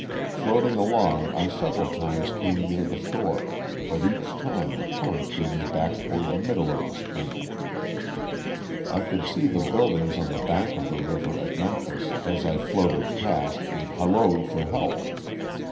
Floating along I several times came near the shore, but each time the current drew rae back to ward the middle of the stream. I could see the build ings on the bank of the river at Memphis as I floated 72 LOSS OF THE SULTANA. past and hallooed for help.